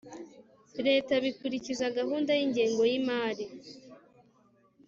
Leta bikurikiza gahunda y ingengo y imari